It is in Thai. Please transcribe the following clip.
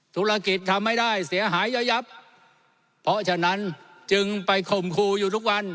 ธุรกิจทำไม่ได้เสียหายเยอะยับเพราะฉะนั้นจึงไปข่มครูอยู่ทุกวัน